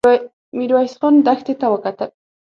ميرويس خان دښتې ته وکتل.